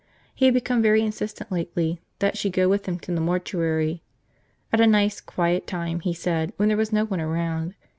He had become very insistent lately that she go with him to the mortuary. At a nice, quiet time, he said, when there was no one around.